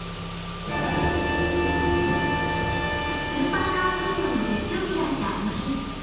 スーパーカーブームの絶頂期だった「あの日」